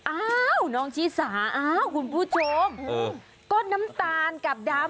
อ้าวน้องชิสาอ้าวคุณผู้ชมก็น้ำตาลกับดำ